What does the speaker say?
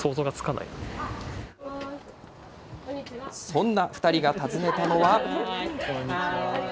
そんな２人が訪ねたのは。